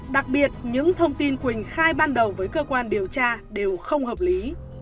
đặc biệt những thông tin quỳnh khai ban đầu với cơ quan điều tra đều không hợp lý